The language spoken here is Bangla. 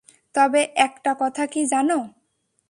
তবে, একটা কথা কী জানো?